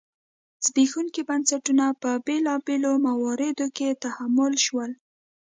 زبېښونکي بنسټونه په بېلابېلو مواردو کې تحمیل شول.